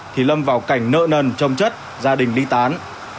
thì lâm vào cảnh nợ nần trồng chất gia đình ly tán